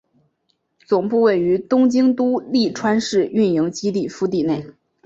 总部位于东京都立川市营运基地敷地内。